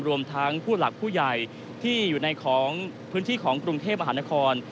รวมทั้งผู้หลักผู้ใหญ่ที่อยู่ในของพื้นที่ของกรุงเทพมหานคร